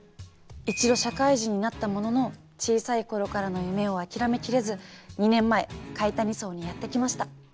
一度社会人になったものの小さい頃からの夢を諦めきれず２年前甲斐谷荘にやって来ました。